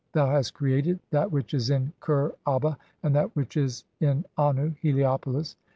(i3g) Thou hast created that "which is in Kher aba and that which is in Annu (Heliopolis).